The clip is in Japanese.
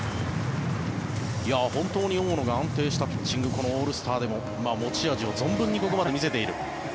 本当に大野が安定したピッチングをこのオールスターでも、持ち味を存分にここまで見せている。